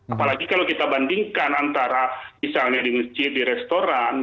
apalagi kalau kita bandingkan antara misalnya di masjid di restoran